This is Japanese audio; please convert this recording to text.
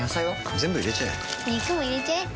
全部入れちゃえ肉も入れちゃえ